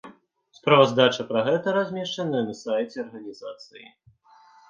Справаздача пра гэта размешчаная на сайце арганізацыі.